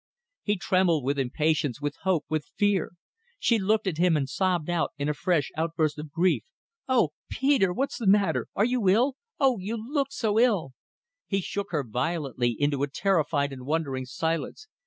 He trembled with impatience, with hope, with fear. She looked at him and sobbed out in a fresh outburst of grief "Oh! Peter. What's the matter? Are you ill? ... Oh! you look so ill ..." He shook her violently into a terrified and wondering silence.